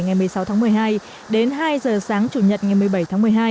ngày một mươi sáu tháng một mươi hai đến hai giờ sáng chủ nhật ngày một mươi bảy tháng một mươi hai